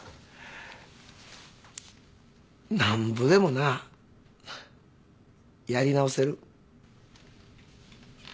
何ぼでもなやり直せる。